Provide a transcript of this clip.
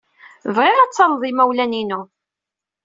Bɣiɣ ad talled imawlan-inu.